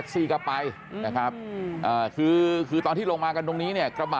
นี่ครับหรือช่วยท่านไปครับ